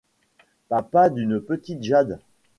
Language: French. Papa d'une petite Jade.